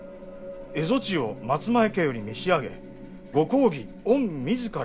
「蝦夷地を松前家より召し上げご公儀御みずから